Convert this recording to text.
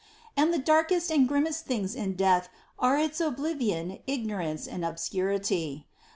And the darkest and grimmest things in death are its oblivion, ignorance, and obscurity.